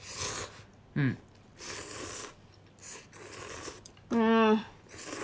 うんうん